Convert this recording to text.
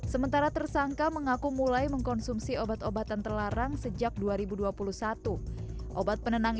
sementara tersangka mengaku mulai mengkonsumsi obat obatan terlarang sejak dua ribu dua puluh satu obat penenang